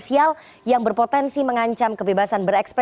selamat malam mas haris